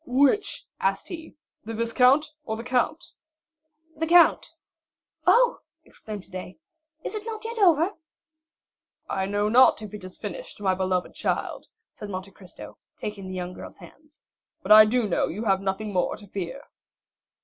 "Which," asked he, "the viscount or the count?" "The count." "Oh," exclaimed Haydée, "is it not yet over?" "I know not if it is finished, my beloved child," said Monte Cristo, taking the young girl's hands; "but I do know you have nothing more to fear."